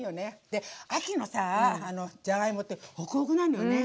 で秋のさじゃがいもってほくほくなのよね